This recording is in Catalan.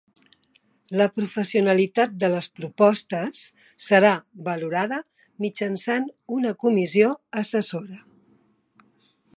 La professionalitat de les propostes serà valorada mitjançant una comissió assessora.